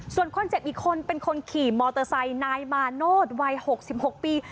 ส่วนคนเจ็บอีกคนเป็นคนขี่มอเตอร์ไซค์นายมาโนธวัย๖๖ปี